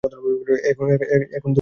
এখন বুঝতে পেরেছ?